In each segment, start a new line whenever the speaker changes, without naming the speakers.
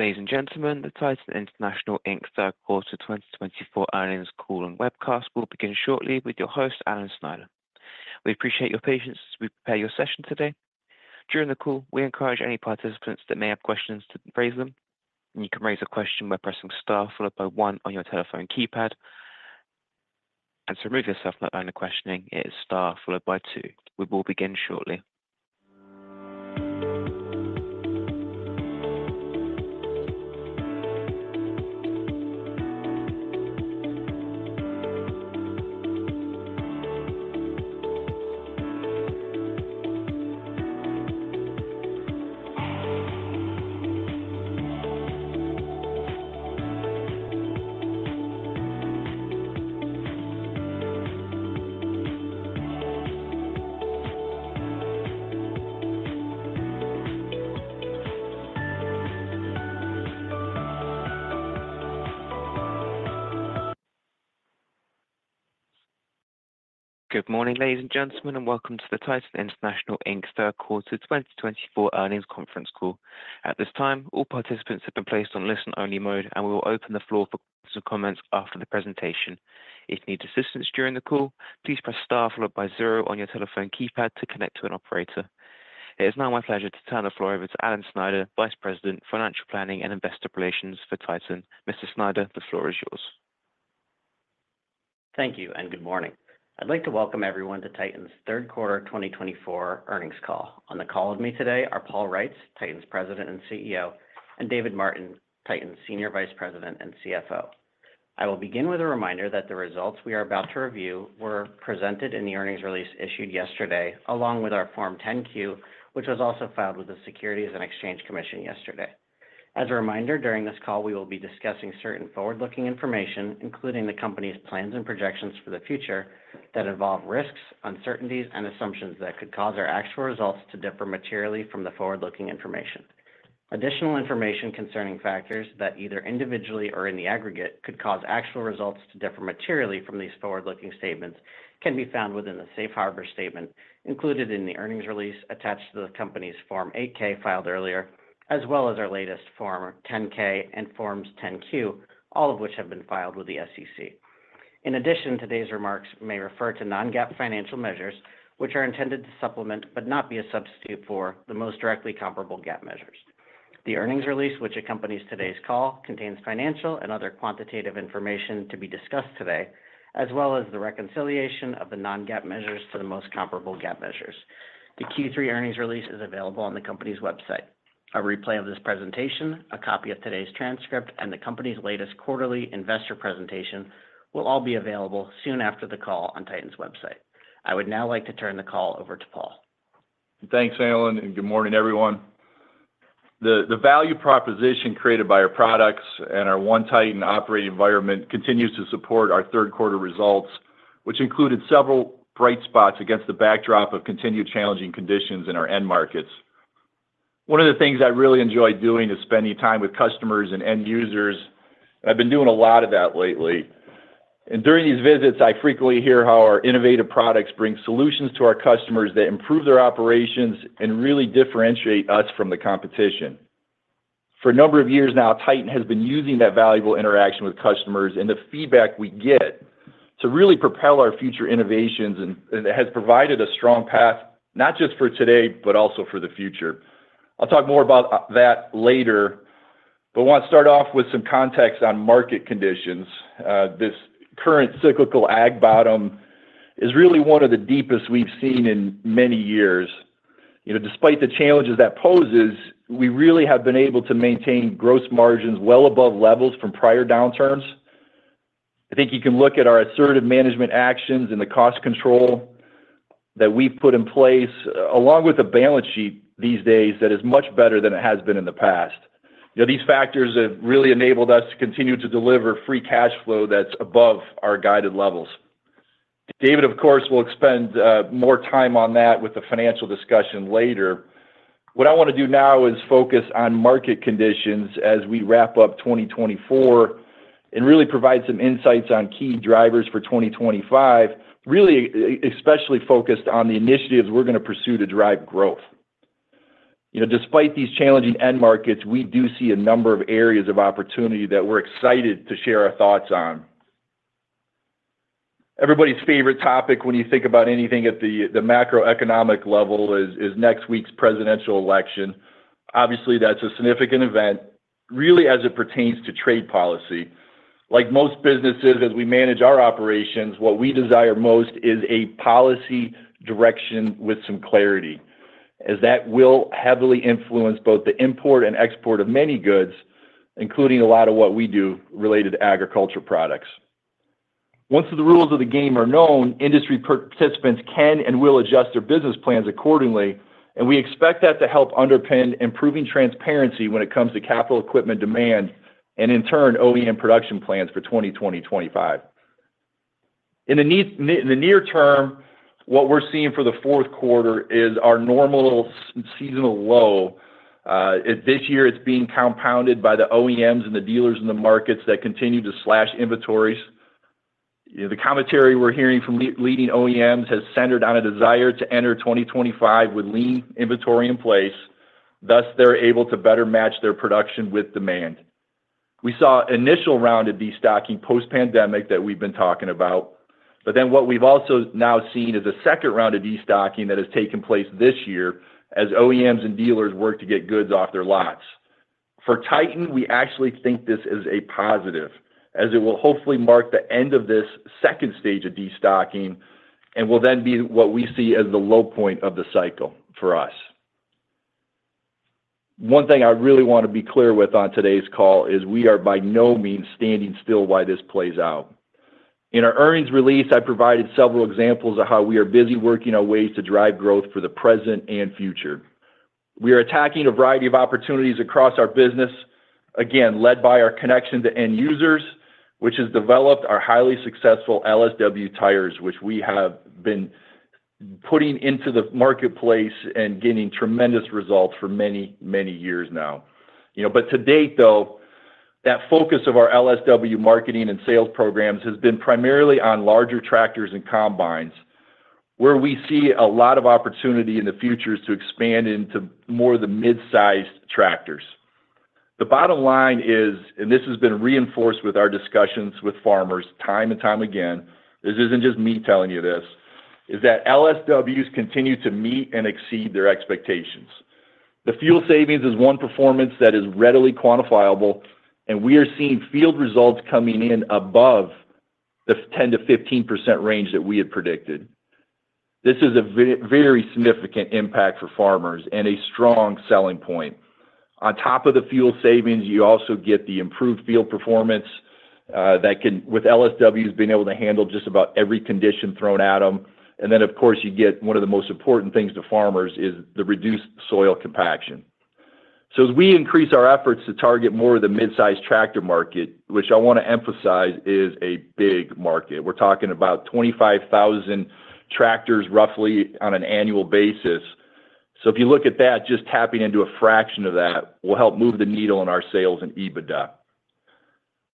Ladies and gentlemen, the Titan International Inc. third quarter 2024 earnings call and webcast will begin shortly with your host, Alan Snyder. We appreciate your patience as we prepare your session today. During the call, we encourage any participants that may have questions to raise them. You can raise a question by pressing star followed by one on your telephone keypad, and to remove yourself from that line of questioning, it is star followed by two. We will begin shortly. Good morning, ladies and gentlemen, and welcome to the Titan International Inc. third quarter 2024 earnings conference call. At this time, all participants have been placed on listen-only mode, and we will open the floor for questions and comments after the presentation. If you need assistance during the call, please press star followed by zero on your telephone keypad to connect to an operator. It is now my pleasure to turn the floor over to Alan Snyder, Vice President, Financial Planning and Investor Relations for Titan. Mr. Snyder, the floor is yours.
Thank you and good morning. I'd like to welcome everyone to Titan's third quarter 2024 earnings call. On the call with me today are Paul Reitz, Titan's President and CEO, and David Martin, Titan Senior Vice President and CFO. I will begin with a reminder that the results we are about to review were presented in the earnings release issued yesterday along with our Form 10-Q, which was also filed with the Securities and Exchange Commission yesterday. As a reminder, during this call we will be discussing certain forward-looking information, including the Company's plans and projections for the future that involve risks, uncertainties and assumptions that could cause our actual results to differ materially from the forward-looking information. Additional information concerning factors that either individually or in the aggregate could cause actual results to differ materially from these forward-looking statements can be found within the safe harbor statement included in the earnings release attached to the company's Form 8-K filed earlier, as well as our latest Form 10-K and Forms 10-Q, all of which have been filed with the SEC. In addition, today's remarks may refer to non-GAAP financial measures which are intended to supplement, but not be a substitute for, the most directly comparable GAAP measures. The earnings release which accompanies today's call contains financial and other quantitative information to be discussed today, as well as the reconciliation of the non-GAAP measures to the most comparable GAAP measures. The Q3 earnings release is available on the Company's website. A replay of this presentation, a copy of today's transcript and the Company's latest quarterly investor presentation will all be available soon after the call on Titan's website. I would now like to turn the call over to Paul.
Thanks, Alan, and good morning, everyone. The value proposition created by our products and our One Titan operating environment continues to support our third quarter results, which included several bright spots against the backdrop of continued challenging conditions in our end markets. One of the things I really enjoy doing is spending time with customers and end users. I've been doing a lot of that lately, and during these visits I frequently hear how our innovative products bring solutions to our customers that improve their operations and really differentiate us from the competition. For a number of years now, Titan has been using that valuable interaction with customers and the feedback we get to really propel our future innovations and has provided a strong path not just for today, but also for the future. I'll talk more about that later, but want to start off with some context on market conditions. This current cyclical Ag bottom is really one of the deepest we've seen in many years. You know, despite the challenges that poses, we really have been able to maintain gross margins well above levels from prior downturns. I think you can look at our assertive management actions and the cost control that we've put in place along with a balance sheet these days that is much better than it has been in the past. You know, these factors have really enabled us to continue to deliver free cash flow that's above our guided levels. David, of course, will spend more time on that with the financial discussion later. What I want to do now is focus on market conditions as we wrap up 2024 and really provide some insights on key drivers for 2025, really especially focused on the initiatives we're going to pursue to drive growth. You know, despite these challenging end markets, we do see a number of areas of opportunity that we're excited to share our thoughts on. Everybody's favorite topic, when you think about anything at the macroeconomic level, is next week's presidential election. Obviously, that's a significant event really as it pertains to trade policy. Like most businesses, as we manage our operations, what we desire most is a policy direction with some clarity, as that will heavily influence both the import and export of many goods, including a lot of what we do related to agriculture products. Once the rules of the game are known, industry participants can and will adjust their business plans accordingly, and we expect that to help underpin improving transparency when it comes to capital equipment demand and in turn, OEM production plans for 2020-2025. In the near term, what we're seeing for the fourth quarter is our normal seasonal low this year. It's being compounded by the OEMs and the dealers in the markets that continue to slash inventories. The commentary we're hearing from leading OEMs has centered on a desire to enter 2025 with lean inventory in place. Thus they're able to better match their production with demand. We saw initial round of destocking post pandemic that we've been talking about, but then what we've also now seen is a second round of destocking that has taken place this year as OEMs and dealers work to get goods off their lots for Titan. We actually think this is a positive as it will hopefully mark the end of this second stage of destocking and will then be what we see as the low point of the cycle for us. One thing I really want to be clear with on today's call is we are by no means standing still. Why this plays out in our earnings release, I provided several examples of how we are busy working on ways to drive growth for the present and future. We are attacking a variety of opportunities across our business, again led by our connection to end users which has developed our highly successful LSW tires which we have been putting into the marketplace and gaining tremendous results for many, many years now. But to date though, that focus of our LSW marketing and sales programs has been primarily on larger tractors and combines where we see a lot of opportunity in the future to expand into more than mid sized tractors. The bottom line is, and this has been reinforced with our discussions with farmers time and time again, this isn't just me telling you this is that LSWs continue to meet and exceed their expectations. The fuel savings is one performance that is readily quantifiable and we are seeing field results coming in above the 10%-15% range that we had predicted. This is a very significant impact for farmers and a strong selling point. On top of the fuel savings, you also get the improved field performance that comes with LSW has been able to handle just about every condition thrown at them. And then of course you get one of the most important things to farmers is the reduced soil compaction. So as we increase our efforts to target more of the mid-sized tractor market, which I want to emphasize is a big market, we're talking about 25,000 tractors roughly on an annual basis. So if you look at that, just tapping into a fraction of that will help move the needle in our sales and EBITDA.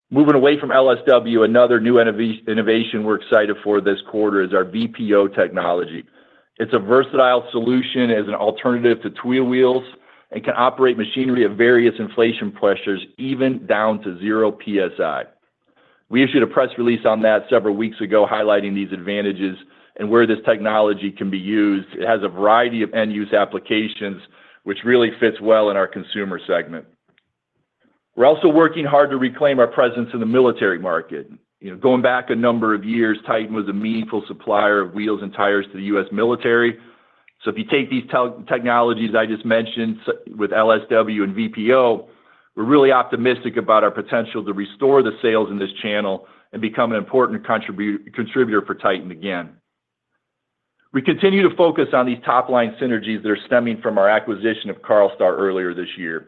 Moving away from LSW, another new innovation we're excited for this quarter is our VPO technology. It's a versatile solution as an alternative to Tweel wheels and can operate machinery of various inflation pressures even down to zero PSI. We issued a press release on that several weeks ago highlighting these advantages and where this technology can be used. It has a variety of end use applications which really fits well in our consumer segment. We're also working hard to reclaim our presence in the military market. Going back a number of years, Titan was a meaningful supplier of wheels and tires to the U.S. military. So if you take these technologies I just mentioned with LSW and VPO, we're really optimistic about our potential to restore the sales in this channel and become an important contributor for Titan. Again, we continue to focus on these top line synergies that are stemming from our acquisition of Carlstar earlier this year.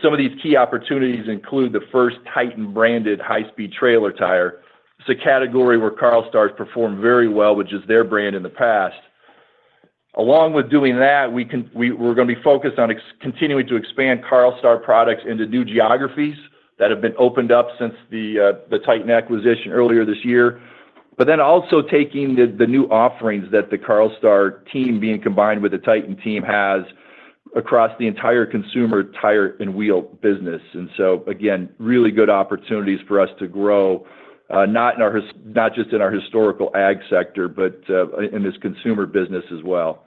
Some of these key opportunities include the first Titan branded high speed trailer tire. It's a category where Carlstar has performed very well, which is their brand in the past. Along with doing that, we're going to be focused on continuing to expand Carlstar products into new geographies that have been opened up since the Titan acquisition earlier this year, but then also taking the new offerings that the Carlstar team being combined with the Titan team has across the entire consumer tire and wheel business. And so again, really good opportunities for us to grow not in our, not just in our historical ag sector, but in this consumer business as well.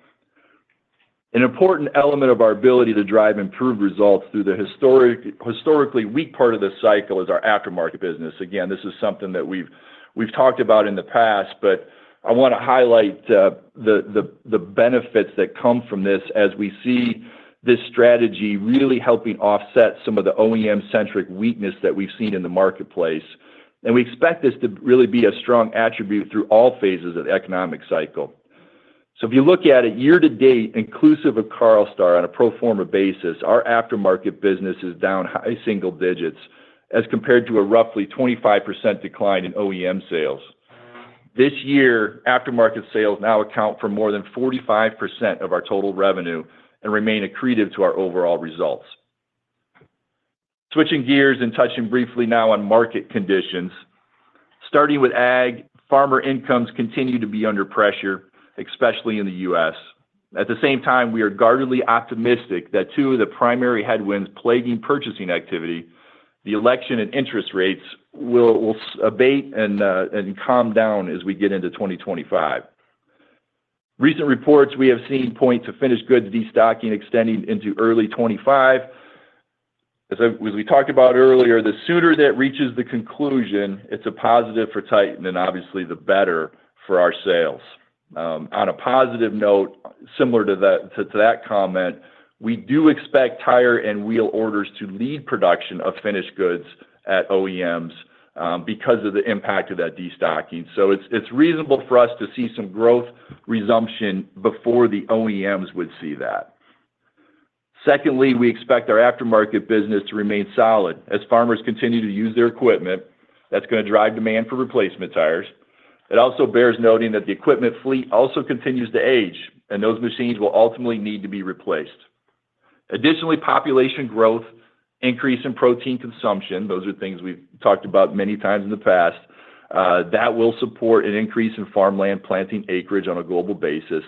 An important element of our ability to drive improved results through the historically weak part of the cycle is our aftermarket business. Again, this is something that we've talked about in the past, but I want to highlight the benefits that come from this as we see this strategy really helping offset some of the OEM centric weakness that we've seen in the marketplace, and we expect this to really be a strong attribute through all phases of the economic cycle, so if you look at it year to date, inclusive of Carlstar on a pro forma basis, our aftermarket business is down high single digits as compared to a roughly 25% decline in OEM sales this year. Aftermarket sales now account for more than 45% of our total revenue and remain accretive to our overall results. Switching gears and touching briefly now on market conditions, starting with ag, farmer incomes continue to be under pressure, especially in the U.S.. At the same time, we are guardedly optimistic that two of the primary headwinds plaguing purchasing activity, the election and interest rates, will abate and calm down as we get into 2025. Recent reports we have seen point to finished goods destocking extending into early 2025. As we talked about earlier, the sooner that reaches the conclusion it's a positive for Titan and obviously the better for our sales. On a positive note similar to that comment, we do expect tire and wheel orders to lead production of finished goods at OEMs because of the impact of that destocking. So it's reasonable for us to see some growth resumption before the OEMs would see that. Secondly, we expect our aftermarket business to remain solid as farmers continue to use their equipment. That's going to drive demand for replacement tires. It also bears noting that the equipment fleet also continues to age and those machines will ultimately need to be replaced. Additionally, population growth, increase in protein consumption, those are things we've talked about many times in the past that will support an increase in farmland planting acreage on a global basis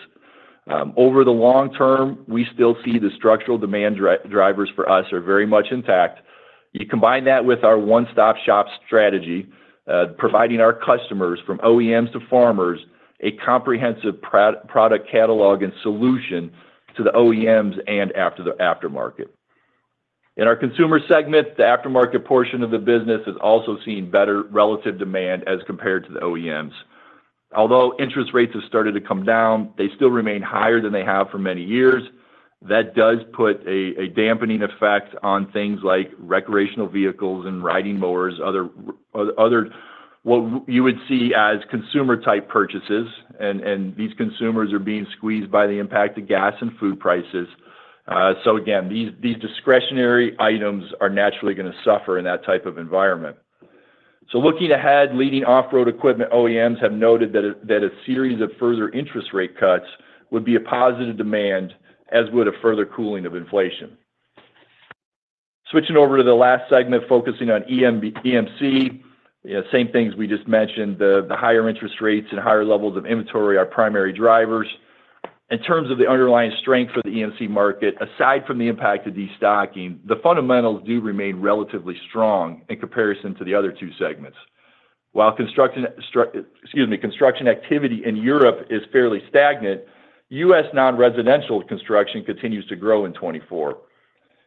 over the long term. We still see the structural demand drivers for us are very much intact. You combine that with our One Stop Shop strategy, providing our customers, from OEMs to farmers, a comprehensive product catalog and solution to the OEMs, and the aftermarket in our consumer segment, the aftermarket portion of the business is also seeing better relative demand as compared to the OEMs. Although interest rates have started to come down, they still remain higher than they have for many years. That does put a dampening effect on things like recreational vehicles and riding mowers. Other, what you would see as consumer-type purchases, and these consumers are being squeezed by the impact of gas and food prices, so again, these discretionary items are naturally going to suffer in that type of environment, so looking ahead, leading off-road equipment OEMs have noted that a series of further interest rate cuts would be a positive demand, as would a further cooling of inflation. Switching over to the last segment focusing on EMC, you know, same things we just mentioned. The higher interest rates and higher levels of inventory are primary drivers in terms of the underlying strength for the EMC market. Aside from the impact of destocking, the fundamentals do remain relatively strong in comparison to the other two segments. While construction, excuse me, construction activity in Europe is fairly stagnant. U.S. non residential construction continues to grow in 2024.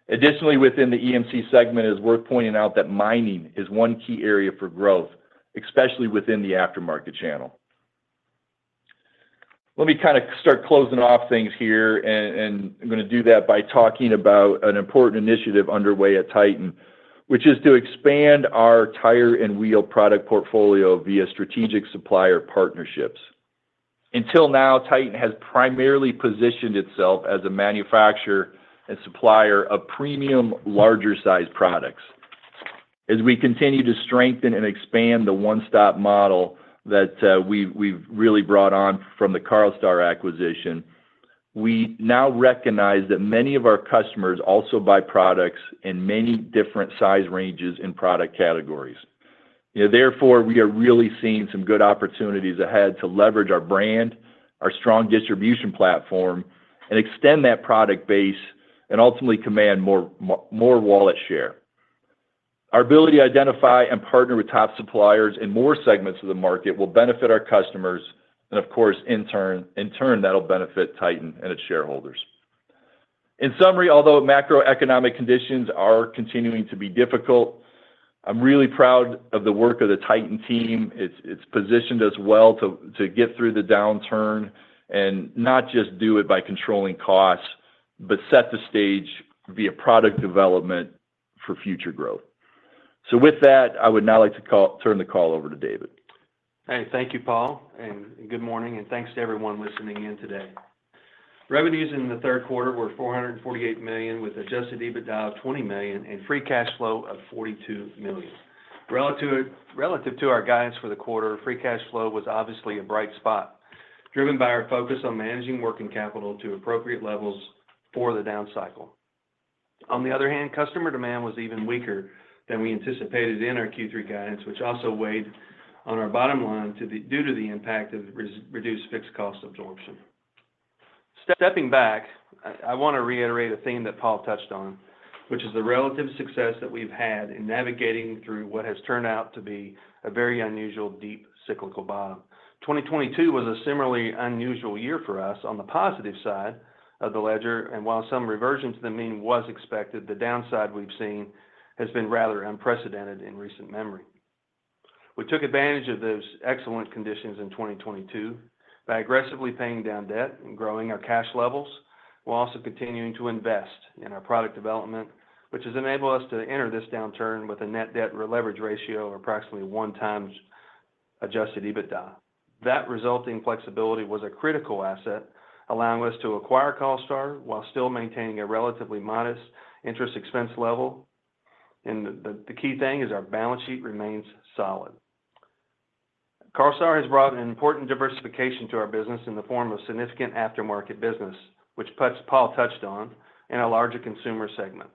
Additionally, within the EMC segment is worth pointing out that mining is one key area for growth, especially within the aftermarket channel. Let me kind of start closing off things here and I'm going to do that by talking about an important initiative underway at Titan which is to expand our tire and wheel product portfolio via strategic supplier partnerships. Until now, Titan has primarily positioned itself as a manufacturer and supplier of premium larger size products. As we continue to strengthen and expand the one stop model that we've really brought on from the Carlstar acquisition. We now recognize that many of our customers also buy products in many different size ranges and product categories. Therefore, we are really seeing some good opportunities ahead to leverage our brand, our strong distribution platform, and extend that product base and ultimately command more wallet share. Our ability to identify and partner with top suppliers in more segments of the market will benefit our customers and of course in turn that will benefit Titan and its shareholders. In summary, although macroeconomic conditions are continuing to be difficult. Really proud of the work of the Titan team. It's positioned us well to get through the downturn and not just do it by controlling costs, but set the stage via product development for future growth, so with that I would now like to turn the call over to David.
Hey, thank you Paul, and good morning, and thanks to everyone listening in today. Revenues in the third quarter were $448 million, with adjusted EBITDA of $20 million and free cash flow of $42 million. Relative to our guidance for the quarter, free cash flow was obviously a bright spot, driven by our focus on managing working capital to appropriate levels for the down cycle. On the other hand, customer demand was even weaker than we anticipated in our Q3 guidance, which also weighed on our bottom line due to the impact of reduced fixed cost absorption. Stepping back, I want to reiterate a theme that Paul touched on, which is the relative success that we've had in navigating through what has turned out to be a very unusual deep cyclical bottom. 2022 was a similarly unusual year for us on the positive side of the ledger, and while some reversion to the mean was expected, the downside we've seen has been rather unprecedented in recent memory. We took advantage of those excellent conditions in 2022 by aggressively paying down debt and growing our cash levels, while also continuing to invest in our product development, which has enabled us to enter this downturn with a net debt leverage ratio of approximately one times Adjusted EBITDA. That resulting flexibility was a critical asset, allowing us to acquire Carlstar while still maintaining a relatively modest interest expense level, and the key thing is our balance sheet remains solid. Carlstar has brought an important diversification to our business in the form of significant aftermarket business, which Paul touched on in a larger consumer segment.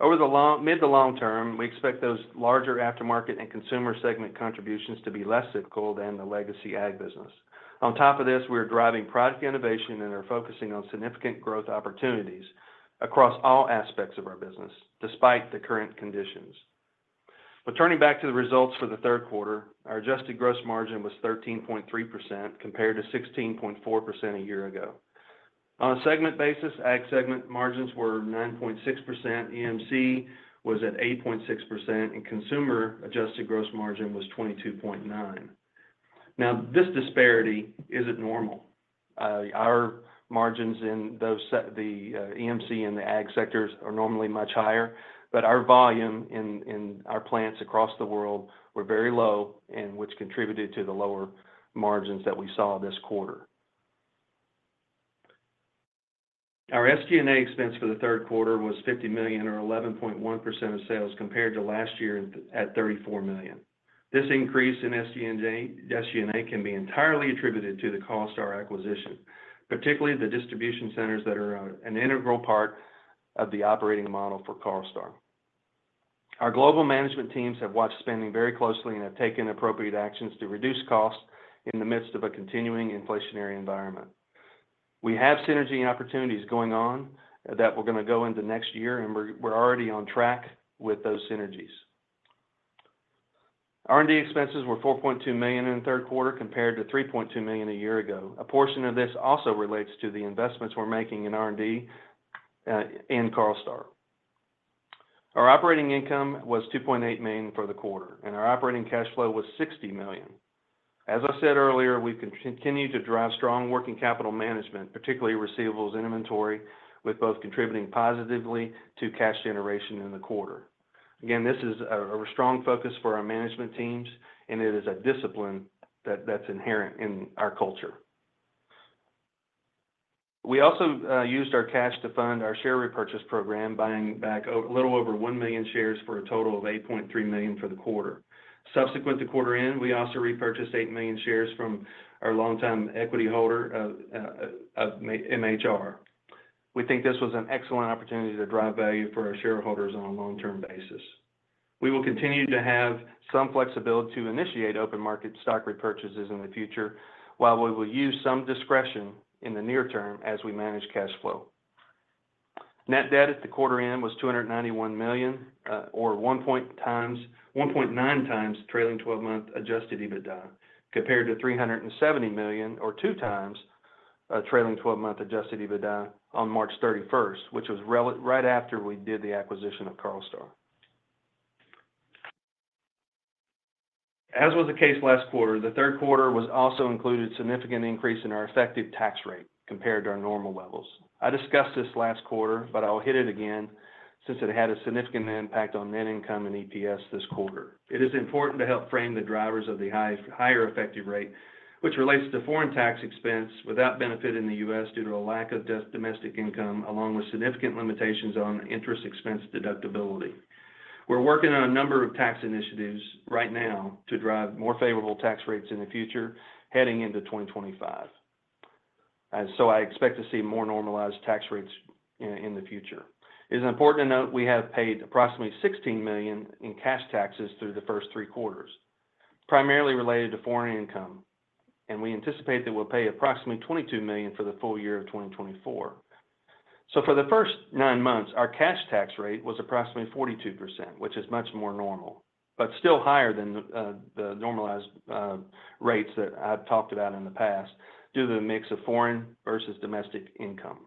Over the mid to long term, we expect those larger aftermarket and consumer segment contributions to be less cyclical than the legacy ag business. On top of this, we are driving product innovation and are focusing on significant growth opportunities across all aspects of our business. Despite the current conditions but turning back to the results for the third quarter, our adjusted gross margin was 13.3% compared to 16.4% a year ago. On a segment basis, AG segment margins were 9.6%, EMC was at 8.6% and consumer adjusted gross margin was 22.9%. Now, this disparity isn't normal. Our margins in the EMC and the AG sectors are normally much higher, but our volume in our plants across the world was very low, which contributed to the lower margins that we saw this quarter. Our SG&A expense for the third quarter was $50 million or 11.1% of sales compared to last year at $34 million. This increase in SG&A can be entirely attributed to the Carlstar acquisition, particularly the distribution centers that are an integral part of the operating model for Carlstar. Our global management teams have watched spending very closely and have taken appropriate actions to reduce costs in the midst of a continuing inflationary environment. We have synergy opportunities going on that we're going to go into next year and we're already on track with those synergies. R&D expenses were $4.2 million in the third quarter compared to $3.2 million a year ago. A portion of this also relates to the investments we're making in R&D and Carlstar. Our operating income was $2.8 million for the quarter and our operating cash flow was $60 million. As I said earlier, we continue to drive strong working capital management, particularly receivables and inventory, with both contributing positively to cash generation in the quarter. Again, this is a strong focus for our management teams and it is a discipline that's inherent in our culture. We also used our cash to fund our share repurchase program, buying back a little over one million shares for a total of $8.3 million for the quarter. Subsequent to quarter end, we also repurchased eight million shares from our longtime equity holder MHR. We think this was an excellent opportunity to drive value for our shareholders on a long term basis. We will continue to have some flexibility to initiate open market stock repurchases in the future, while we will use some discretion in the near term as we manage cash flow. Net debt at the quarter end was $291 million or 1.9 times trailing 12 month Adjusted EBITDA compared to $370 million or two times trailing 12 month Adjusted EBITDA on March 31, which was right after we did the acquisition of Carlstar. As was the case last quarter, the third quarter was also included significant increase in our effective tax rate compared to our normal levels. I discussed this last quarter, but I'll hit it again since it had a significant impact on net income and EPS this quarter. It is important to help frame the drivers of the higher effective rate which relates to foreign tax expense without benefit in the U.S. due to a lack of domestic income along with significant limitations on interest expense deductibility. We're working on a number of tax initiatives right now to drive more favorable tax rates in the future heading into 2025, so I expect to see more normalized tax rates in the future. It is important to note we have paid approximately $16 million in cash taxes through the first three quarters primarily related to foreign income, and we anticipate that we'll pay approximately $22 million for the full year of 2024. So for the first nine months our cash tax rate was approximately 42% which is much more normal but still higher than the normalized rates that I've talked about in the past due to the mix of foreign versus domestic income.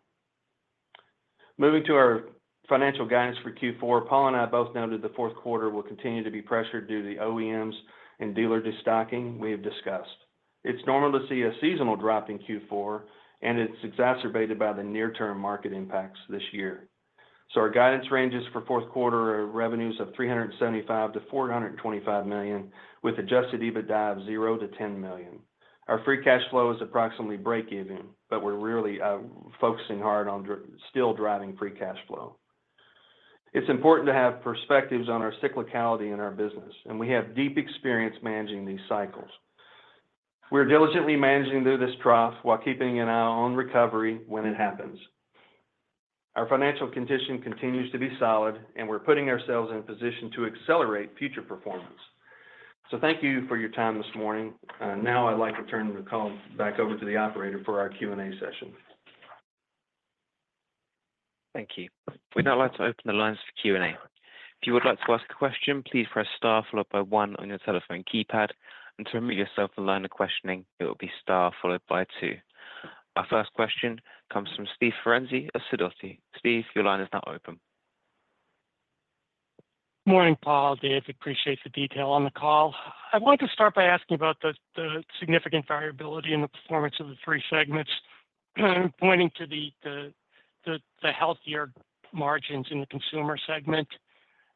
Moving to our financial guidance for Q4 Paul and I both noted the fourth quarter will continue to be pressured due to the OEMs and dealer destocking. We have discussed it's normal to see a seasonal drop in Q4 and it's exacerbated by the near term market impacts this year. So our guidance ranges for fourth quarter revenues of $375 million-$425 million with Adjusted EBITDA of $0-$10 million. Our Free Cash Flow is approximately break even, but we're really focusing hard on still driving Free Cash Flow. It's important to have perspectives on our cyclicality in our business and we have deep experience managing these cycles. We're diligently managing through this trough while keeping an eye on recovery. When it happens, our financial condition continues to be solid and we're putting ourselves in a position to accelerate future performance. So thank you for your time this morning. Now I'd like to turn the call back over to the operator for our Q and A session.
Thank you. We'd now like to open the lines for Q and A. If you would like to ask a question, please press star followed by one on your telephone keypad, and to remove yourself from the line of questioning. It will be star followed by two. Our first question comes from Steve Ferazani of Sidoti. Steve, your line is now open.
Morning Paul, Dave. Appreciate the detail on the call. I wanted to start by asking about the significant variability in the performance of the three segments pointing to the healthier margins in the Consumer segment.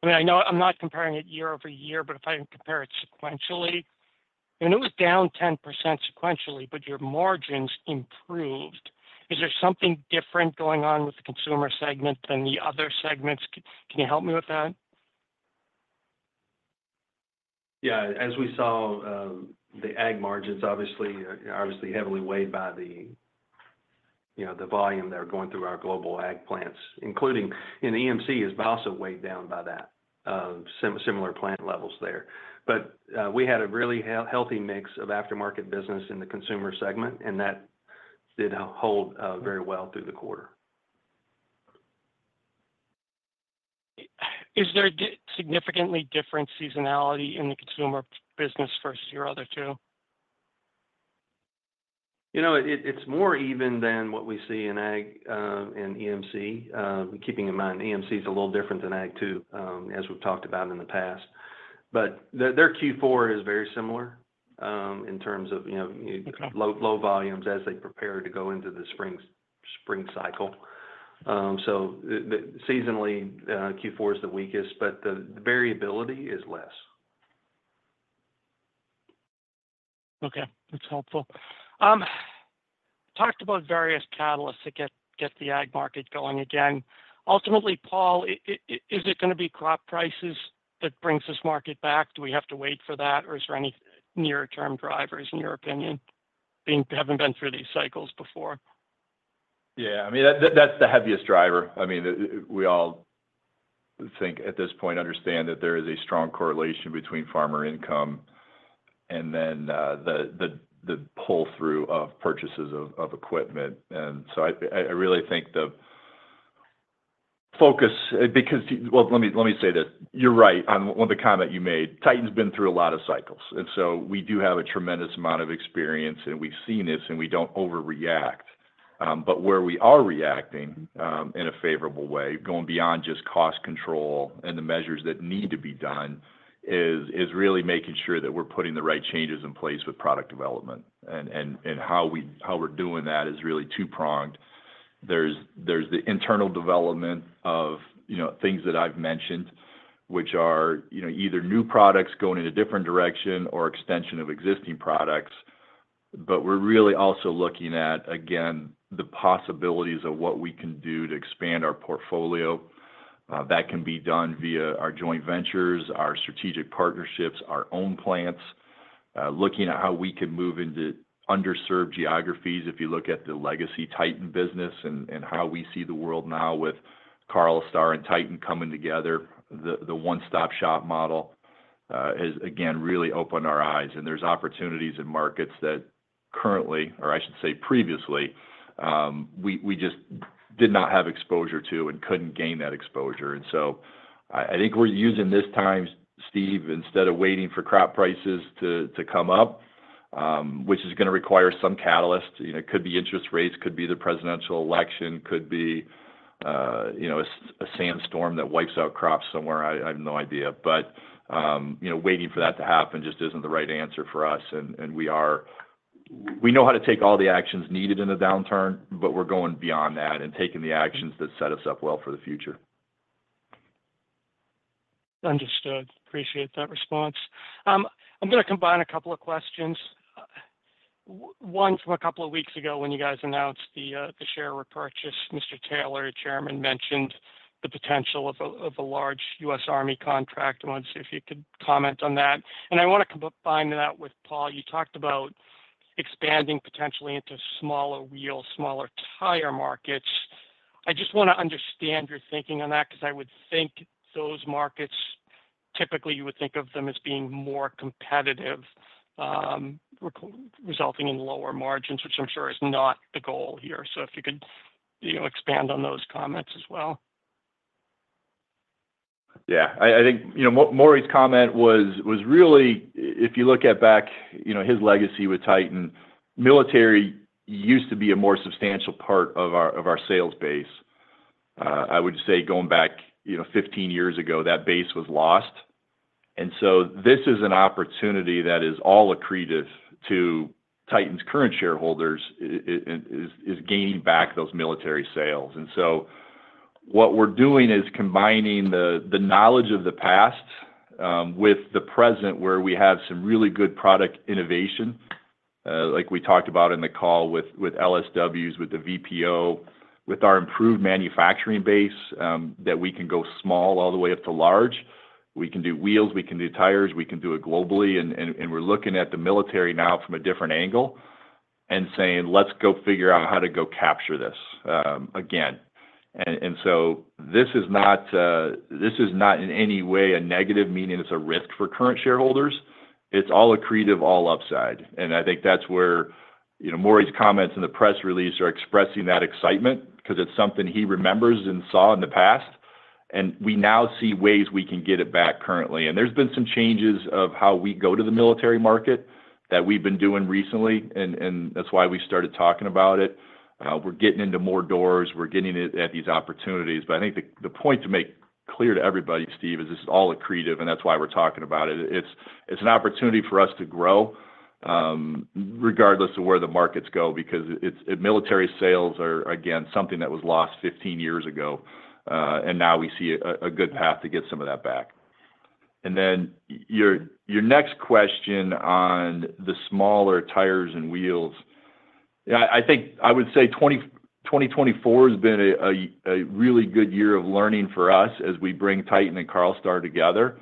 I mean, I know I'm not comparing it year-over-year, but if I compare it sequentially and it was down 10% sequentially. But your margins improved. Is there something different going on with the consumer segment than the other segments? Can you help me with that?
Yeah, as we saw, the ag margins obviously heavily weighed by the, you know, the volume that are going through our global ag plants, including in EMC, is also weighed down by that similar plant levels there. But we had a really healthy mix of aftermarket business in the consumer segment, and that did hold very well through the quarter.
Is there significantly different seasonality in the consumer business versus your other two?
You know, it's more even than what we see in AG and EMC. Keeping in mind EMC is a little different than AG2 as we've talked about in the past, but their Q4 is very similar in terms of, you know, low volumes as they prepare to go into the spring season, spring cycle. So seasonally Q4 is the weakest but the variability is less.
Okay, that's helpful. Talked about various catalysts that get the ag market going again. Ultimately, Paul, is it going to be crop prices that brings this market back? Do we have to wait for that or is there any near-term drivers in your opinion? Haven't been through these cycles before?
Yeah, I mean that's the heaviest driver. I mean we all think at this point understand that there is a strong correlation between farmer income and then the pull through of purchases of equipment, and so I really think the focus because, well, let me say this. You're right on the comment you made. Titan's been through a lot of cycles and so we do have a tremendous amount of experience and we've seen this and we don't overreact, but where we are reacting in a favorable way, going beyond just cost control and the measures that need to be done is really making sure that we're putting the right changes in place with product development, and how we're doing that is really two pronged. There's the internal development of things that I've mentioned which are either new products going in a different direction or extension of existing products. But we're really also looking at again the possibilities of what we can do to expand our portfolio. That can be done via our joint ventures, our strategic partnerships, our own plants, looking at how we can move into underserved geographies. If you look at the legacy Titan business and how we see the world now with Carlstar and Titan coming together, the one stop shop model has again really opened our eyes and there's opportunities in markets that currently, or I should say previously, we just did not have exposure to and couldn't gain that exposure. And so I think we're using this time, Steve, instead of waiting for crop prices to come up, which is going to require some catalyst, it could be interest rates, could be the presidential election, could be, you know, a sandstorm that wipes out crops somewhere. I have no idea. But, you know, waiting for that to happen just isn't the right answer for us. And we are, we know how to take all the actions needed in the downturn, but we're going beyond that and taking the actions that set us up well for the future.
Understood. Appreciate that response. I'm going to combine a couple of questions. One from a couple of weeks ago when you guys announced the share repurchase, Mr. Taylor, Chairman mentioned the potential of a large U.S. Army contract once. If you could comment on that. And I want to combine that with Paul. You talked about expanding potentially into smaller wheel, smaller tire markets. I just want to understand your thinking on that because I would think those markets, typically you would think of them as being more competitive, resulting in lower margins, which I'm sure is not the goal here. So if you could, you know, expand on those comments as well.
Yeah, I think, you know, Maurice's comment was, was really, if you look at back, you know, his legacy with Titan Military used to be a more substantial part of our, of our sales base. I would say going back, you know, 15 years ago, that base was lost. And so this is an opportunity that is all accretive to Titan's current shareholders, is gaining back those military sales. And so what we're doing is combining the knowledge of the past with the present, where we have some really good product innovation like we talked about in the call with LSWs, with the VPO, with our improved manufacturing base that we can go small all the way up to large. We can do wheels, we can do tires, we can do it globally. We're looking at the military now from a different angle and saying, let's go figure out how to go capture this again. And so this is not, this is not in any way a negative meaning it's a risk for current shareholders. It's all accretive, all upside. And I think that's where, you know, Maurice's comments in the press release are expressing that excitement because it's something he remembers and saw in the past. And we now see ways we can get it back currently. And there's been some changes of how we go to the military market that we've been doing recently. And, and that's why we started talking about it. We're getting into more doors. We're getting it at these opportunities. But I think the point to make clear to everybody, Steve, is this is all accretive and that's why we're talking about it. It's. It's an opportunity for us to grow regardless of where the markets go, because its military sales are again something that was lost 15 years ago and now we see a good path to get. Some of that back. Then your next question on the smaller tires and wheels. I think, I would say 2024 has been a really good year of learning for us as we bring Titan and Carlstar together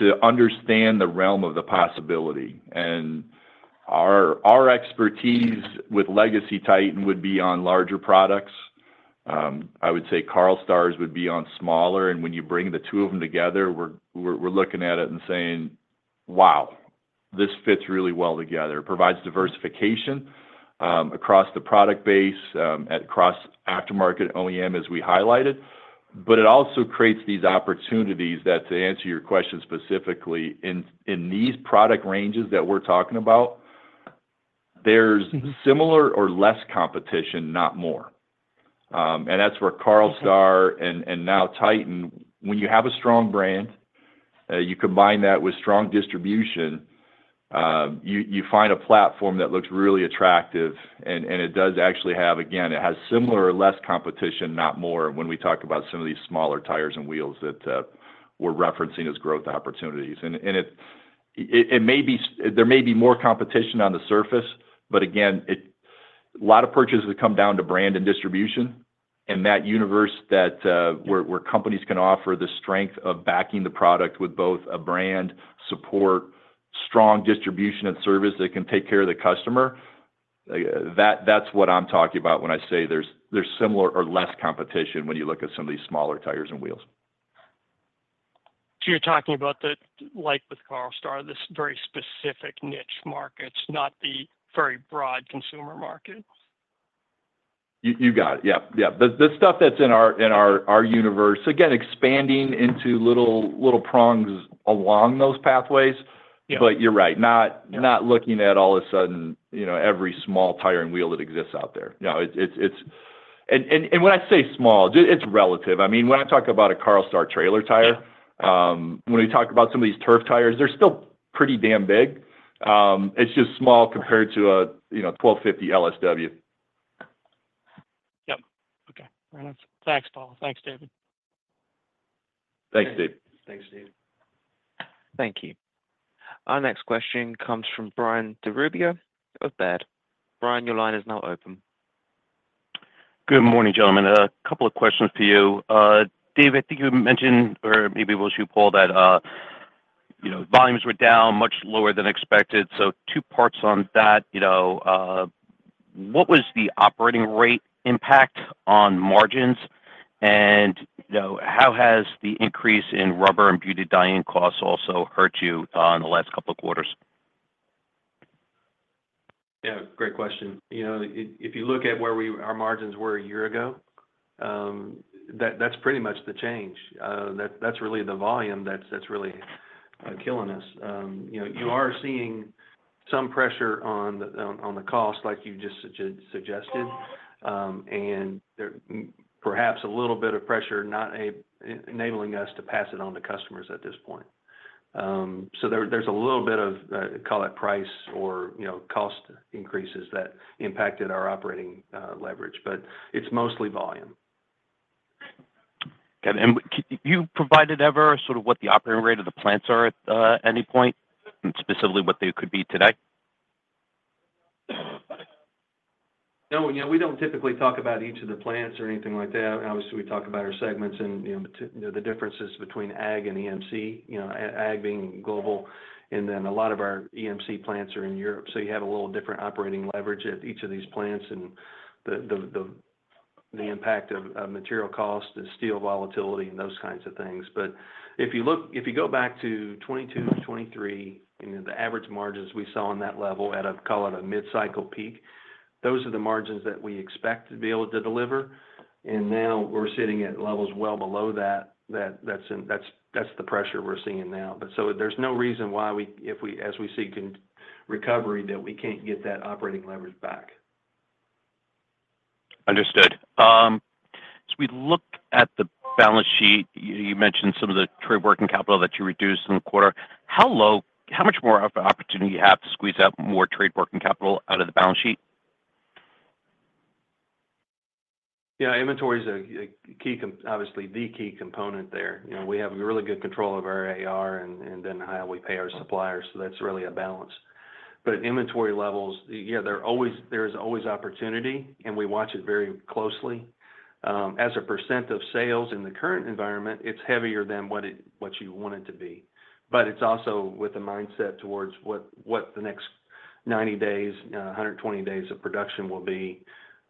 to understand the realm of the possibility and our expertise with legacy Titan would be on larger products. I would say Carlstar's would be on smaller. And when you bring the two of them together, we're looking at it and saying, wow, this fits really well together. Provides diversification across the product base, across aftermarket OEM, as we highlighted. But it also creates these opportunities that, to answer your question specifically, in these product ranges that we're talking about, there's similar or less competition, not more. And that's where Carlstar and now Titan, when you have a strong brand, you combine that with strong distribution, you find a platform that looks really attractive and it does actually have, again, it has similar or less competition, not more. When we talk about some of these smaller tires and wheels that we're referencing as growth opportunities, and there may be more competition on the surface, but again, a lot of purchases come down to brand and distribution in that universe that, where companies can offer the strength of backing the product with both a brand support, strong distribution and service that can take care of the customer. That, that's what I'm talking about when I say there's similar or less competition when you look at some of these smaller tires and wheels.
So you're talking about that like with Carlstar, this very specific niche markets, not the very broad consumer market.
You got it? Yeah. Yeah. The stuff that's in our universe, again, expanding into little prongs along those pathways. But you're right, not looking at all of a sudden, you know, every small tire and wheel that exists out there, you know, it's. And when I say small, it's relative. I mean, when I talk about a Carlstar trailer tire, when we talk about some of these Turf tires, they're still pretty damn big. It's just small compared to a, you know, 1250 LSW.
Yep. Okay. Thanks, Paul. Thanks, David.
Thanks, Dave.
Thanks, Dave.
Thank you. Our next question comes from Brian DiRubbio of Baird. Brian, your line is now open.
Good morning, gentlemen. A couple of questions to you, Dave. I think you mentioned, or maybe we'll show Paul that, you know, volumes were down much lower than expected. So two parts on that. You know, what was the operating rate impact on margins and how has the increase in rubber and butadiene costs also hurt you in the last couple of quarters? Yeah, great question. You know, if you look at where our margins were a year ago. That's pretty much the change. That's really the volume that's really killing us. You know, you are seeing some pressure on the cost like you just suggested and perhaps a little bit of pressure not enabling us to pass it on to customers at this point. So there's a little bit of, call it price or, you know, cost increases that impacted our operating leverage, but it's mostly volume.
You provided ever sort of what the operating rate of the plants are at any point and specifically what they could be? Today.
We don't typically talk about each of the plants or anything like that. Obviously we talk about our segments and the differences between AG and EMC. AG being global and then a lot of our EMC plants are in Europe. So you have a little different operating leverage at each of these plants and the impact of material cost and steel volatility and those kinds of things. But if you look, if you go back to 2022, 2023, the average margins we saw on that level at a call it a mid cycle peak, those are the margins that we expect to. Be able to deliver. And now we're sitting at levels well below that. That's the pressure we're seeing now, but so there's no reason why, as we see recovery, that we can't get that operating leverage back.
Understood. As we look at the balance sheet, you mentioned some of the trade working capital that you reduced in the quarter, how low, how much more opportunity you? Have to squeeze out more trade working. Capital out of the balance sheet.
Yeah, inventory is a key, obviously the key component there. We have really good control of our AR and then how we pay our suppliers. So that's really a balance. But inventory levels, yeah, there is always opportunity and we watch it very closely as a % of sales. In the current environment, it's heavier than what you want it to be. But it's also with the mindset towards what the next 90 days, 120 days of production will be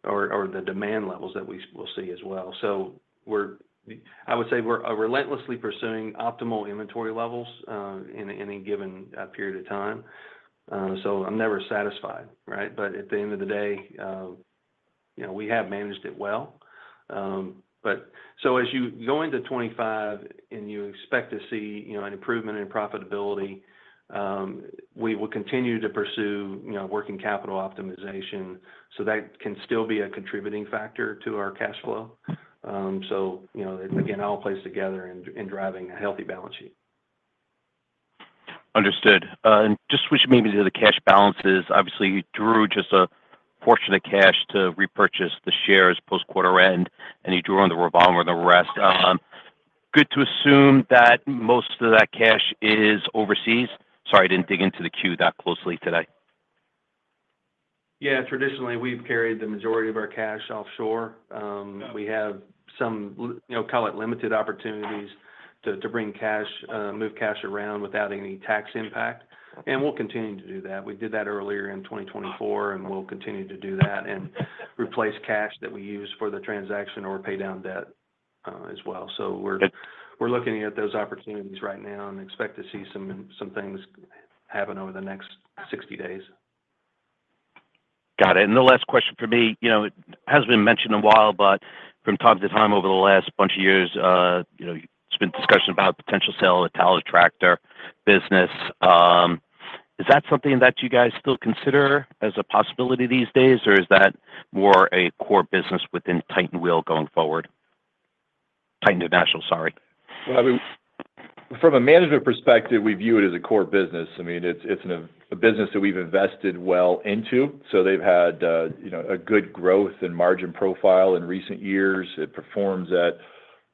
or the demand levels that we will see as well. So I would say we're relentlessly pursuing optimal inventory levels in any given period of time. So I'm never satisfied. Right. But at the end of the day, you know, we have managed it well. But so as you go into 2025 and you expect to see, you know, an improvement in profitability, we will continue to pursue, you know, working capital optimization. So that can still be a contributing factor to our cash flow. So, you know, again, all plays together in driving a healthy balance sheet.
Understood. And just switch, maybe, to the cash balances. Obviously drew just a portion of cash to repurchase the shares post quarter end and he drew on the revolver and the rest good to assume that most of that cash is overseas. Sorry, I didn't dig into the Q that closely today.
Yeah, traditionally we've carried the majority of our cash offshore. We have some, you know, call it limited opportunities to bring cash, move cash around without any tax impact, and we'll continue to do that. We did that earlier in 2024 and we'll continue to do that and replace cash that we use for the transaction or pay down debt as well, so we're looking at those opportunities right now and expect to see some things happen over the next 60 days.
Got it. The last question for me, you know, it has been mentioned a while, but from time to time over the last bunch of years, you know, it's been discussion about potential sale of Italtractor business. Is that something that you guys still consider as a possibility these days or is that more a core business within Titan International going forward? Titan National. Sorry.
I mean from a management perspective, we view it as a core business. I mean it's a business that we've invested well into. So they've had a good growth and margin profile in recent years. It performs at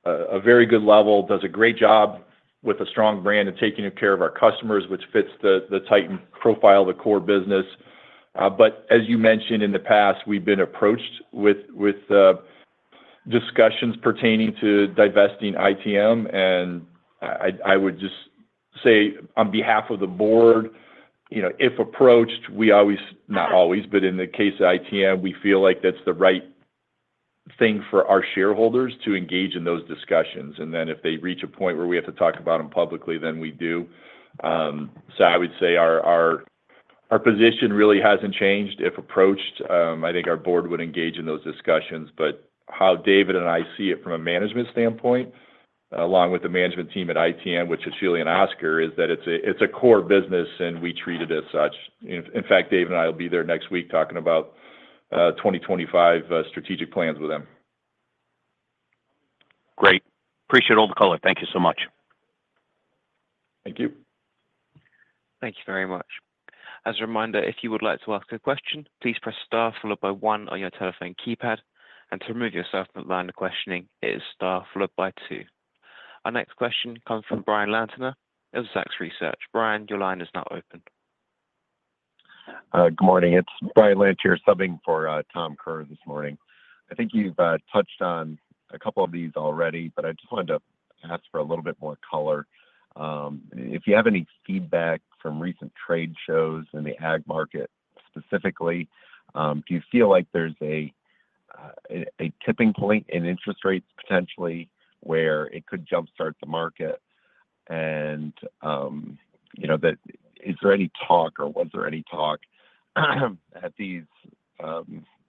a very good level, does a great job with a strong brand and taking care of our customers, which fits the Titan profile, the core business. But as you mentioned in the past we've been approached with discussions pertaining to divesting ITM and I would just say on behalf of the board, you know, if approached, we always, not always, but in the case of it, and we feel like that's the right thing for our shareholders to engage in those discussions and then if they reach a point where we have to talk about them publicly, then we do. So I would say our position really hasn't changed if approached. I think our board would engage in those discussions. But how David and I see it from a management standpoint, along with the management team at ITM, which Cecilia and Oscar, is that it's a core business and we treat it as such. In fact, Dave and I will be there next week talking about 2025 strategic plans with them. Great.
Appreciate all the color. Thank you so much.
Thank you.
Thank you very much. As a reminder, if you would like to ask a question, please press star followed by one on your telephone keypad, and to remove yourself from the line of questioning, it is star followed by two. Our next question comes from Brian Lantier of Zacks Investment Research. Brian, your line is now open.
Good morning, it's Brian Lantier subbing for Tom Kerr this morning. I think you've touched on a couple of these already, but I just wanted to ask for a little bit more color. If you have any feedback from recent trade shows in the ag market specifically, do you feel like there's a tipping point in interest rates potentially where it could jumpstart the market? And is there any talk or was there any talk at these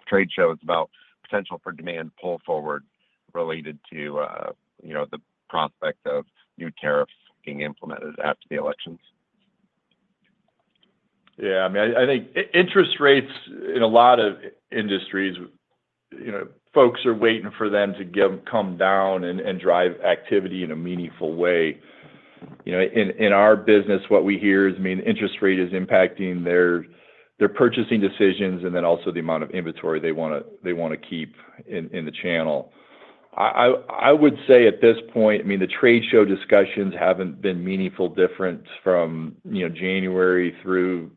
trade shows about potential for demand pull forward related to the prospect of new tariffs being implemented after the elections?
Yeah, I mean, I think interest rates in a lot of industries, you know, folks are waiting for them to come down and drive activity in a meaningful way. You know, in our business, what we hear is, I mean, interest rate is impacting their purchasing decisions and then also the amount of inventory they want to keep in the channel. I would say at this point, I mean, the trade show discussions haven't been meaningful difference from, you know, January through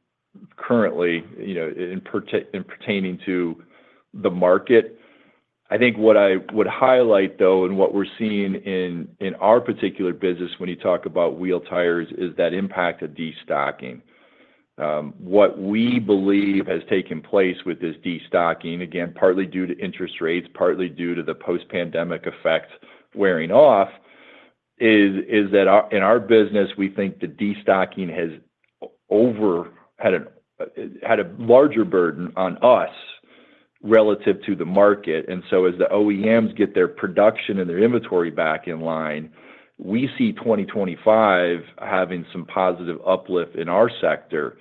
currently, you know, in pertaining to the market. I think what I would highlight though, and what we're seeing in our particular business when you talk about wheel tires, is that impact of destocking. What we believe has taken place with this destocking, again partly due to interest rates, partly due to the post-pandemic effect wearing off, is that in our business we think the destocking has had a larger burden on us relative to the market. And so as the OEMs get their production and their inventory back in line, we see 2025 having some positive uplift in our sector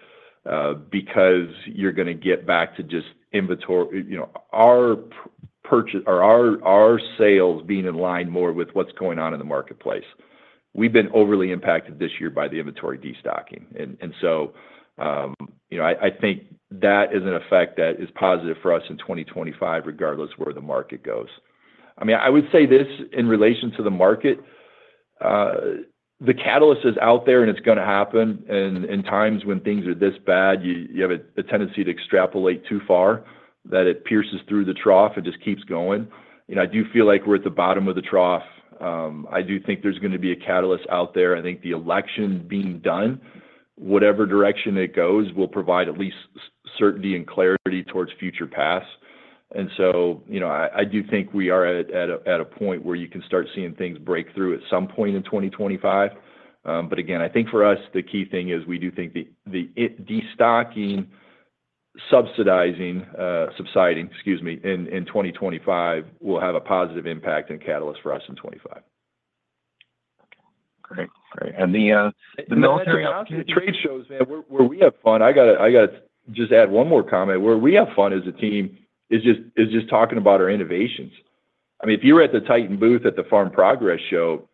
because you're going to get back to just inventory, you know, our purchase or our sales being in line more with what's going on in the marketplace. We've been overly impacted this year by the inventory destocking and so, you know, I think that is an effect that is positive for us in 2025, regardless where the market goes. I mean, I would say this in relation to the market. The catalyst is out there and it's going to happen. In times when things are this bad, you have a tendency to extrapolate too far that it pierces through the trough and just keeps going. You know, I do feel like we're at the bottom of the trough. I do think there's going to be a catalyst out there. I think the election being done, whatever direction it goes, will provide at least certainty and clarity towards future paths. And so, you know, I, I do think we are at a point where you can start seeing things break through at some point in 2025. But again, I think for us, the key thing is we do think the destocking, subsidizing, subsiding. Excuse me, in 2025 will have a positive impact and catalyst for us in 25.
Great.
Great.
The military trade shows where we have fun. I gotta just add one more comment. Where we have fun as a team is just talking about our innovations. I mean, if you were at the Titan booth at the Farm Progress Show,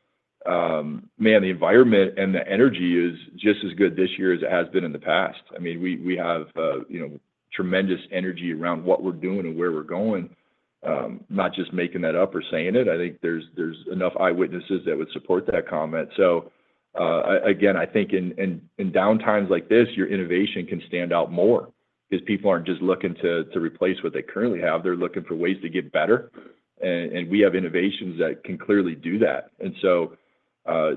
man, the environment and the energy is just as good this year as it has been in the past. I mean, we have, you know, tremendous energy around what we're doing and where we're going, not just making that up or saying it. I think there's enough eyewitnesses that would support that comment. So, again, I think in downtimes like this, your innovation can stand out more because people aren't just looking to replace what they currently have. They're looking for ways to get better, and we have innovations that can clearly do that. And so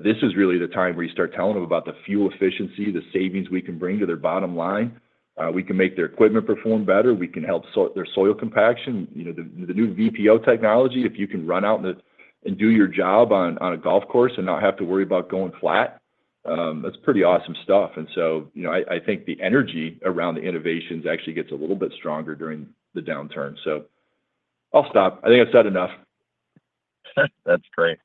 this is really the time where you start telling them about the fuel efficiency, the savings we can bring to their bottom line. We can make their equipment perform better, we can help their soil compaction. You know, the new VPO Technology. If you can run out and do your job on a golf course and not have to worry about going flat, that's pretty awesome stuff. And so, you know, I think the energy around the innovations actually gets a little bit stronger during the downturn. So I'll stop. I think I've said enough.
That's great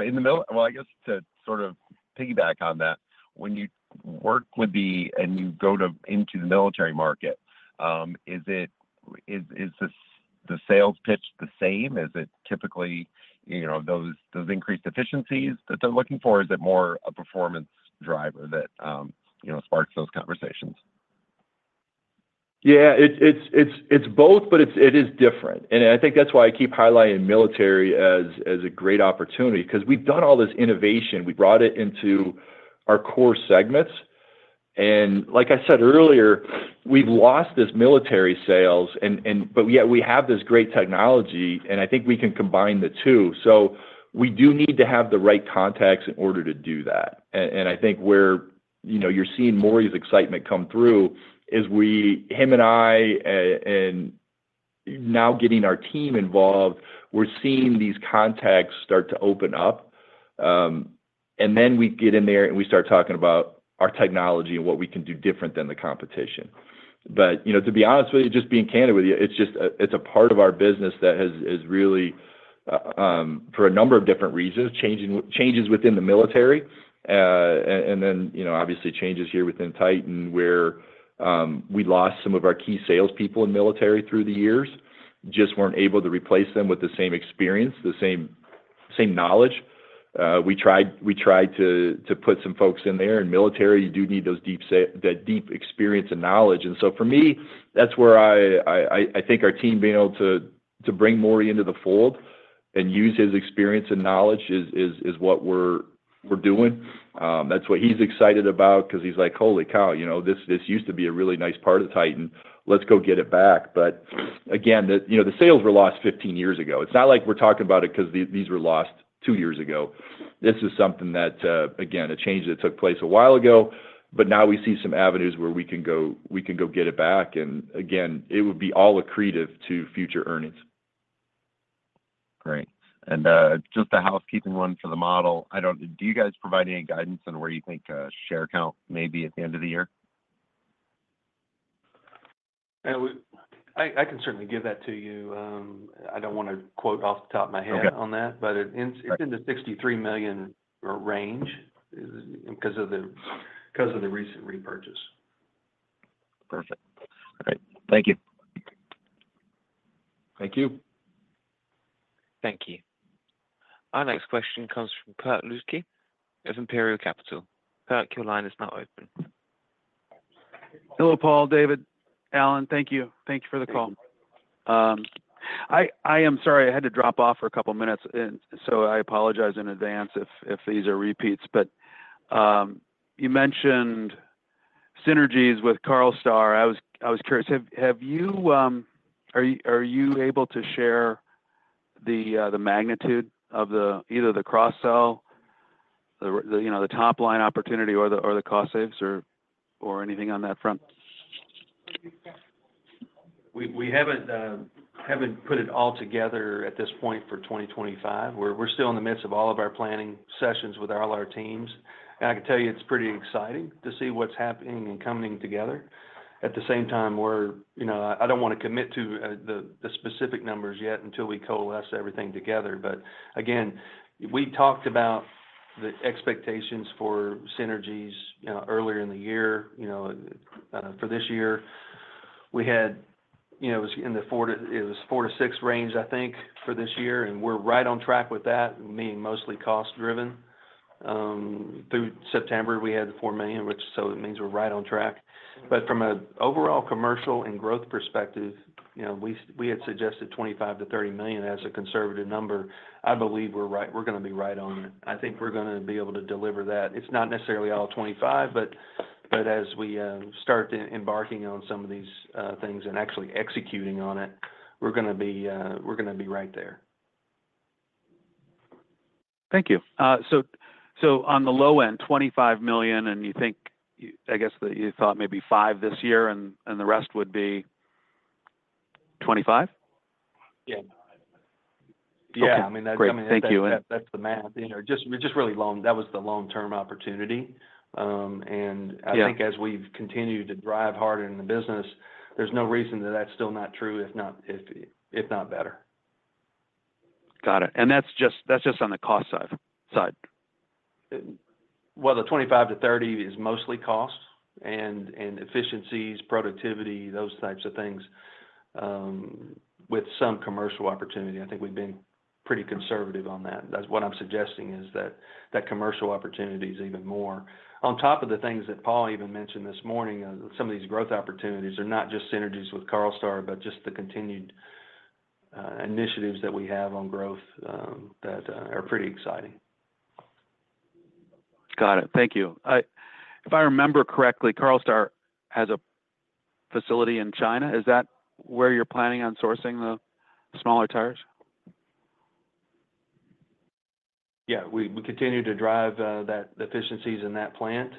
in the middle. Well, I guess to sort of piggyback on that. When you work with the and you go into the military market, is it? The sales pitch the same? Is it typically, you know, those increased efficiencies that they're looking for? Is it more a performance driver that, you know, sparks those conversations?
Yeah, it's both, but it is different. And I think that's why I keep highlighting military as a great opportunity, because we've done all this innovation, we brought it into our core segments, and like I said earlier, we've lost this military sales, but yet we have this great technology, and I think we can combine the two. So we do need to have the right contacts in order to do that. And I think where, you know, you're seeing Maury's excitement come through is we, him and I, and now getting our team involved, we're seeing these contacts start to open up, and then we get in there and we start talking about our technology and what we can do different than the competition. But, you know, to be honest with you, just being candid with you, it's just. It's a part of our business that has really, for a number of different reasons, changes within the military and then, you know, obviously changes here within Titan, where we lost some of our key salespeople in military through the years, just weren't able to replace them with the same experience, the same knowledge. We tried to put some folks in there, and military, you do need that deep experience and knowledge. And so for me, that's where I think our team being able to bring Morry into the fold and use his experience and knowledge is what we're doing. That's what he's excited about because he's like, holy cow. You know, this used to be a really nice part of Titan. Let's go get it back. But again, you know, the sales were lost 15 years ago. It's not like we're talking about it because these were lost two years ago. This is something that, again, a change that took place a while ago, but now we see some avenues where we can go get it back. And again, it would be all accretive to future earnings.
Great. Just a housekeeping one for the model. I don't. Do you guys provide any guidance on where you think share count may be at the end of the year?
I can certainly give that to you. I don't want to quote off the top of my head on that, but it's in the 63 million range because of the recent repurchase. Perfect.
All right, thank you.
Thank you.
Thank you. Our next question comes from Kirk Ludtke of Imperial Capital. Your line is now open.
Hello, Paul. David, Alan. Thank you. Thank you for the call. I am sorry I had to drop off for a couple minutes. So I apologize in advance if these are repeats, but you mentioned synergies with Carlstar. I was curious, have you, are you able to share the magnitude of either the cross-sell, the top line opportunity or the cost saves or anything on that front? We haven't put it all together at this point for 2025. We're still in the midst of all of our planning sessions with all our teams and I can tell you it's pretty exciting to see what's happening and coming together at the same time. We're, you know, I don't want to commit to the specific numbers yet until we coalesce everything together. But again we talked about the expectations for synergies earlier in the year. You know, for this year we had, you know, in the four to, it was four to six range I think for this year and we're right on track with that meaning mostly cost. Driven through September we had $4 million which, so it means we're right on track. But from an overall commercial and growth perspective, you know we, we had suggested $25 million to $30 million as a conservative number. I believe we're right. We're going to be right on it. I think we're going to be able to deliver that. It's not necessarily all 25, but as we start embarking on some of these things and actually executing on it, we're going to be right there.
Thank you. So on the low end, $25 million and you think, I guess that you thought maybe $5 million this year and the rest would be $25 million.
Yeah, I mean, thank you. That's the math, you know, just, just really long, that was the long term opportunity and I think as we've continued to drive harder in the business, there's no reason that that's still not true. If not, if not better.
Got it. And that's just on the cost side.
The 25-30 is mostly cost and efficiencies, productivity, those types of things with some commercial opportunity. I think we've been pretty conservative on that. That's what I'm suggesting is that commercial opportunities even more on top of the things that Paul even mentioned this morning. Some of these growth opportunities are not just synergies with Carlstar but just the continued initiatives that we have on growth that are pretty exciting.
Got it. Thank you. If I remember correctly, Carlstar has a facility in China. Is that where you're planning on sourcing the smaller tires?
Yeah, we continue to drive those efficiencies in that plant.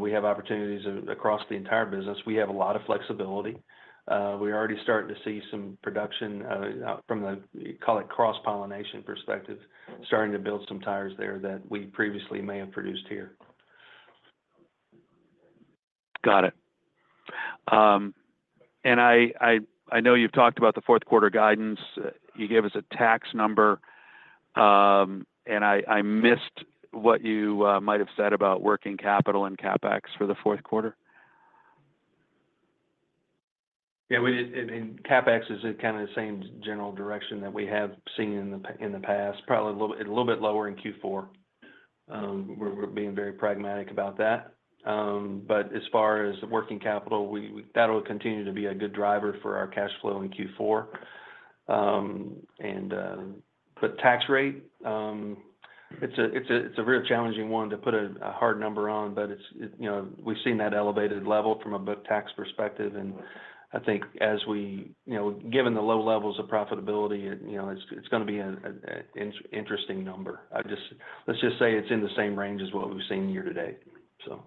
We have opportunities across the entire business. We have a lot of flexibility. We're already starting to see some production from the call it cross-pollination perspective, starting to build some tires there that we previously may have produced here.
Got it. I know you've talked about the fourth quarter guidance. You gave us a top number and I missed what you might have said about working capital and CapEx for the fourth quarter.
Yeah, we did. CapEx is kind of the same general direction that we have seen in the past. Probably a little bit lower in Q4. We're being very pragmatic about that. But as far as working capital, that'll continue to be a good driver for our cash flow in Q4 and but tax rate. It's a real challenging one to put a hard number on. But we've seen that elevated level from a book tax perspective and I think as we, you know, given the low levels of profitability, you know it's going to be an interesting number. I just, let's just say it's in the same range as what we've seen year to date, so.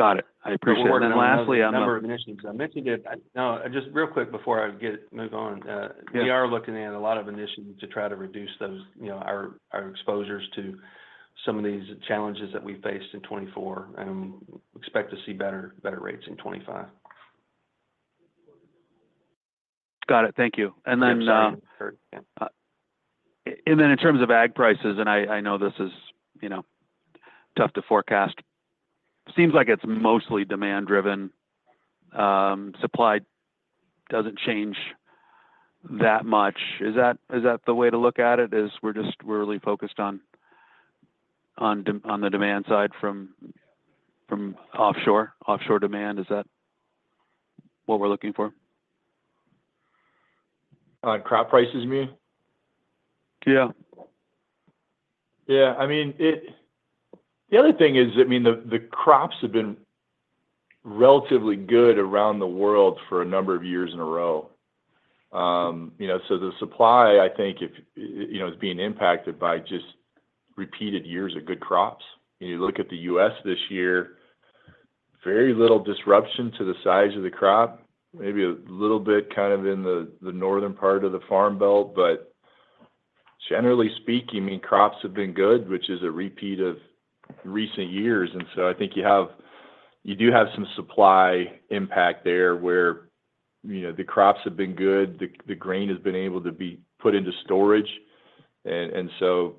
Got it. I appreciate it.
And lastly, a number of initiatives. I mentioned it. No, just real quick before I move on. We are looking at a lot of initiatives to try to reduce those, you know, our exposures to some of these challenges that we faced in 2024. Expect to see better rates in 2025.
Got it, thank you. And then in terms of ag prices and I know this is, you know, tough to forecast, seems like it's mostly demand driven. Supply doesn't change that much. Is that the way to look at it? We're just really. Focused on, on the demand side from offshore. Offshore demand. Is that what we're looking for?
Crop prices mean? Yeah, yeah. I mean it. The other thing is, I mean the crops have been relatively good around the world for a number of years in a row. You know, so the supply I think if you, you know, is being impacted by just repeated years of good crops. You look at the U.S. this year, very little disruption to the size of the crop. Maybe a little bit kind of in the northern part of the farm belt. But generally speaking, I mean crops have been good, which is a repeat of recent years. And so I think you have, you do have some supply impact there where you know, the crops have been good, the grain has been able to be put into storage and so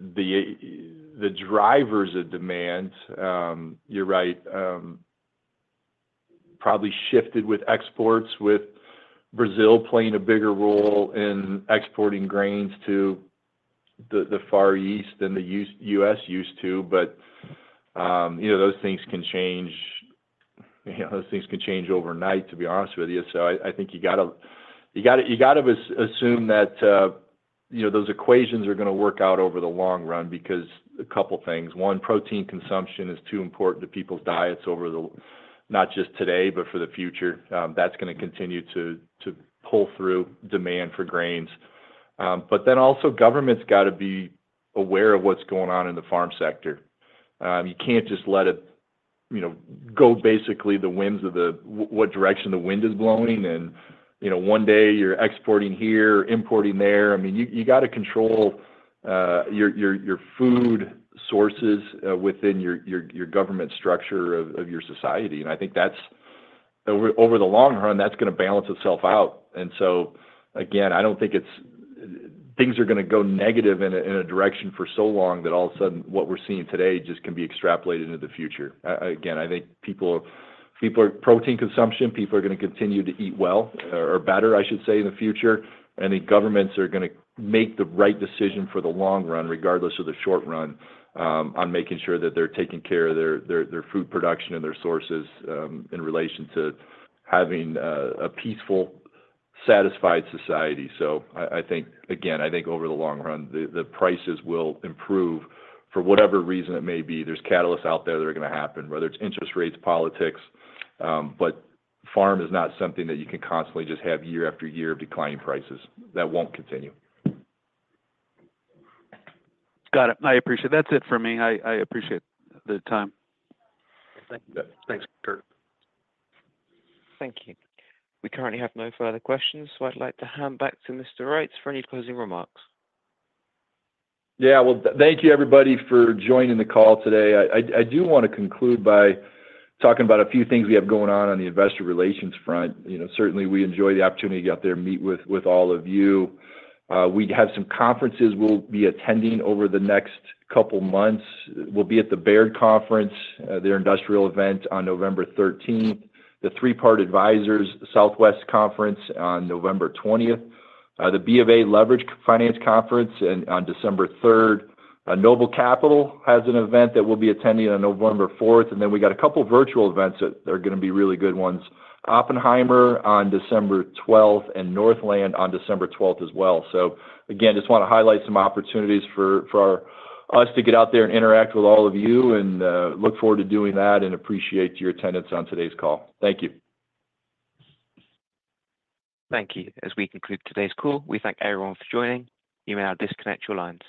the drivers of demand, you're right, probably shifted with exports. With Brazil playing a bigger role in exporting grains to the Far East than the U.S. used to, but you know, those things can change, those things can change overnight, to be honest with you. So I think you got to assume that those equations are going to work out over the long run because a couple things, one, protein consumption is too important to people's diets over the, not just today but for the future. That's going to continue to pull through demand for grains. But then also government's got to be aware of what's going on in the farm sector. You can't just let it, you know, go basically the whims of the what direction the wind is blowing. And you know, one day you're exporting here, importing there. I mean you got to control your food sources within your government structure of your society. And I think that's, over the long run, that's going to balance itself out. And so again, I don't think it's things are going to go negative in a direction for so long that all of a sudden what we're seeing today just can be extrapolated into the future. Again, I think protein consumption, people are going to continue to eat well or better, I should say, in the future. And the governments are going to make the right decision for the long run, regardless of the short run on making sure that they're taking care of their food production and their sources in relation to having a peaceful, satisfied society. So I think again over the long run the prices will improve for whatever reason it may be. There's catalysts out there that are going to happen, whether it's interest rates, politics, but farm is not something that you can constantly just have year after year of declining prices that won't continue.
Got it. I appreciate, that's it for me. I appreciate the time.
Thanks Kirk.
Thank you. We currently have no further questions, so I'd like to hand back to Mr. Reitz for any closing remarks.
Yeah. Well, thank you everybody for joining the call today. I do want to conclude by talking about a few things we have going on on the investor relations front. You know, certainly we enjoy the opportunity to get there, meet with all of you. We have some conferences we'll be attending over the next couple months. We'll be at the Baird Conference, their industrial event on November 13, the Three Part Advisors Southwest Conference on November 20, the BofA Leveraged Finance Conference on December 3. Noble Capital has an event that we'll be attending on November 4th and then we got a couple virtual events that are going to be really good ones. Oppenheimer on December 12 and Northland on December 12 as well. So, again, just want to highlight some opportunities for us to get out there and interact with all of you and look forward to doing that and appreciate your attendance on today's call. Thank you.
Thank you. As we conclude today's call, we thank everyone for joining. You may now disconnect your lines.